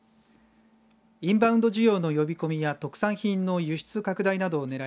インバウンド需要の呼び込みや特産品の輸出拡大などを狙い